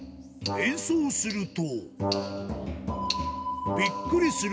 演奏すると。